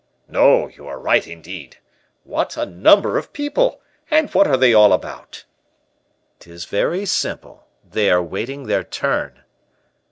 "No, you are right, indeed. What a number of people! And what are they all about?" "'Tis very simple. They are waiting their turn."